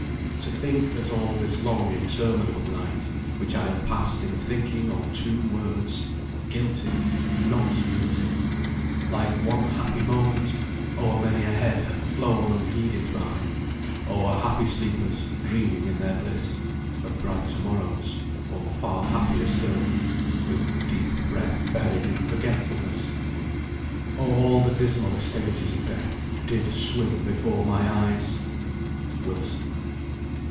"To think That all this long interminable night, Which I have passed in thinking on two words 'Guilty' 'Not Guilty!' like one happy moment O'er many a head hath flown unheeded by; O'er happy sleepers dreaming in their bliss Of bright to morrows or far happier still, With deep breath buried in forgetfulness. O all the dismallest images of death Did swim before my eyes!" WILSON.